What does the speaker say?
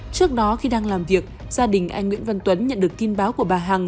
trước đó khi đang làm việc gia đình anh nguyễn văn tuấn nhận được tin báo của bà hằng